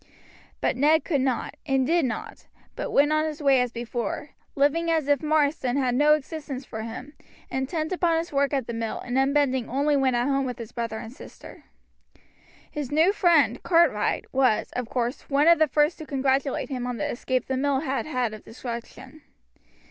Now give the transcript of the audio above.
But Ned could not, and did not, but went on his way as before, living as if Marsden had no existence for him, intent upon his work at the mill, and unbending only when at home with his brother and sister. His new friend, Cartwright, was, of course, one of the first to congratulate him on the escape the mill had had of destruction.